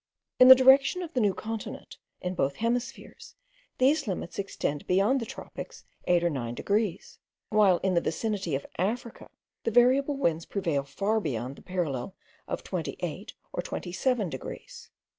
In the direction of the New Continent, in both hemispheres, these limits extend beyond the tropics eight or nine degrees; while in the vicinity of Africa, the variable winds prevail far beyond the parallel of 28 or 27 degrees.